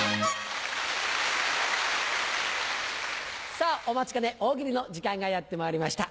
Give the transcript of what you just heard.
さぁお待ちかね大喜利の時間がやってまいりました。